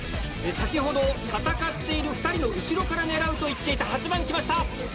先ほど「戦っている２人の後ろから狙う」と言っていた８番。